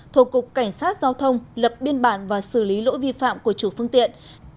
thổ cục cảnh sát giao thông lập biên bản và xử lý lỗi vi phạm của chủ phương tiện